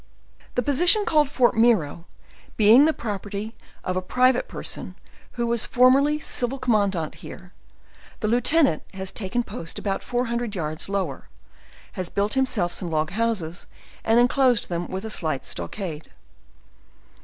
The position called Fort Miro; being the property of a private person, who was formerly civil commandant here, the lieutenant ha$ taken post about four hundred yards low , er; has built him/self some log houses, and inclosed them with; 186 JOURNAL OF a slight stockade.